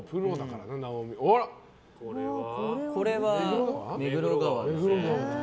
これは目黒川ですね。